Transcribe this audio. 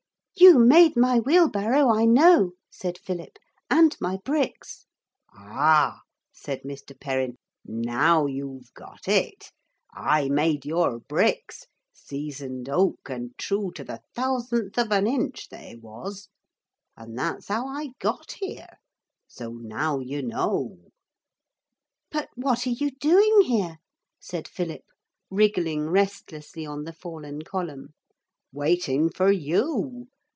'You made my wheelbarrow, I know,' said Philip, 'and my bricks.' 'Ah!' said Mr. Perrin, 'now you've got it. I made your bricks, seasoned oak, and true to the thousandth of an inch, they was. And that's how I got here. So now you know.' 'But what are you doing here?' said Philip, wriggling restlessly on the fallen column. 'Waiting for you.